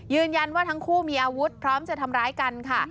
ทั้งคู่มีอาวุธพร้อมจะทำร้ายกันค่ะ